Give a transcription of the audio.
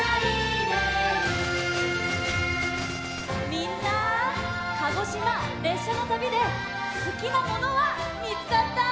みんな鹿児島れっしゃのたびですきなものはみつかった？